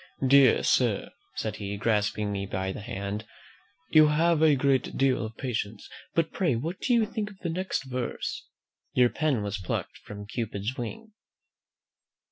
"Dear sir," said he, grasping me by the hand, "you have a great deal of patience; but pray what do you think of the next verse? "'Your pen was plucked from Cupid's wing.'"